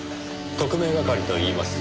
特命係といいます。